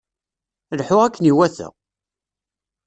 Lḥu akken iwata!